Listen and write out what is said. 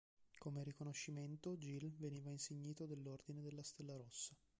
Come riconoscimento Gil veniva insignito dell'ordine della Stella rossa.